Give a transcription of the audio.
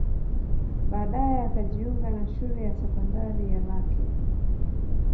Baadae akajiunga na shule ya sekondari ya Lake